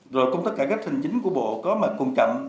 rồi cũng tất cả các hành chính của bộ có mà còn chậm